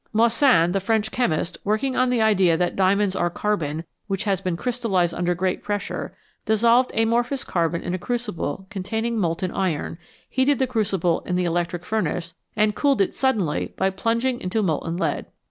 Moissan, the French chemist, working on the idea that diamonds are carbon which has been crystallised under great pressure, dissolved amorphous carbon in a crucible containing molten iron, heated the crucible in the electric furnace, and cooled it suddenly by plunging into molten lead.